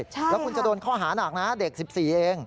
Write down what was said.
ใช่ค่ะแล้วคุณจะโดนข้อหานักนะฮะเด็ก๑๔เอง